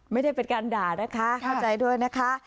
ไม่ได้เป็นการด่านะคะเข้าใจด้วยนะคะ